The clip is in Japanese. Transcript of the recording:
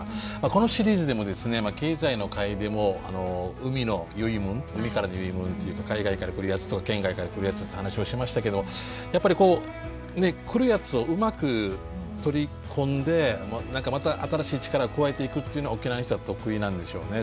このシリーズでもですね経済の回でも海の寄り物海からの寄り物っていうか海外から来るやつと県外から来るやつって話をしましたけどやっぱりこう来るやつをうまく取り込んでまた新しい力を加えていくっていうのが沖縄の人は得意なんでしょうね。